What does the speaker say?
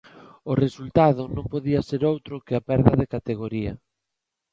O resultado non podía ser outro que a perda de categoría.